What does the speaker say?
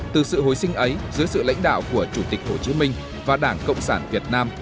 từ sự hồi sinh ấy dưới sự lãnh đạo của chủ tịch hồ chí minh và đảng cộng sản việt nam